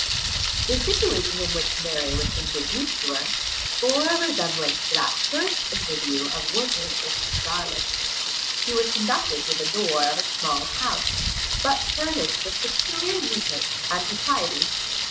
The situation in which Mary was introduced to her, bore a resemblance to the first interview of Werter with Charlotte. She was conducted to the door of a small house, but furnished with peculiar neatness and propriety.